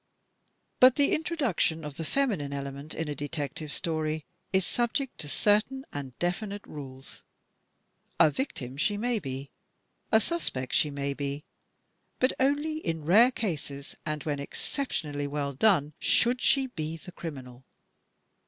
But the introduction of the feminine element in a Detective Story is subject to certain and definite rules. A victim she may be, a suspect she may be, but only in rare cases and when exceptionally well done, should she be the criminal.